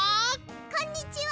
こんにちは！